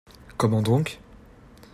Comment donc ?